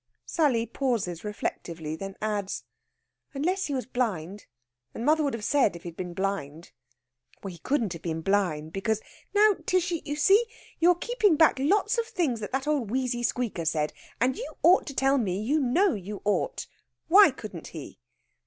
Sally pauses reflectively, then adds: "Unless he was blind. And mother would have said if he'd been blind." "He couldn't have been blind, because " "Now, Tishy, you see! You're keeping back lots of things that old wheezy squeaker said. And you ought to tell me you know you ought. Why couldn't he?"